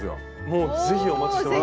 もうぜひお持ちしてます。